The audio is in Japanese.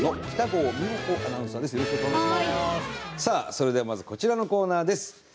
さあそれではまずこちらのコーナーです。